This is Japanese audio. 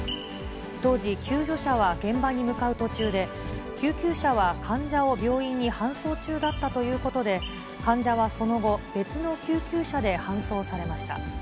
当時、救助車は現場に向かう途中で、救急車は患者を病院に搬送中だったということで、患者はその後、別の救急車で搬送されました。